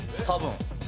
多分。